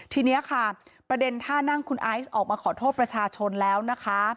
ทีนี้ค่ะประเด็นท่านั่งคุณไอซ์ออกมาขอโทษประชาชนแล้วนะคะ